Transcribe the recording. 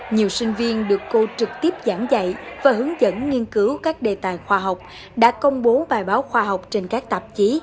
nhiều sinh viên được cô trực tiếp giảng dạy và hướng dẫn nghiên cứu các đề tài khoa học đã công bố bài báo khoa học trên các tạp chí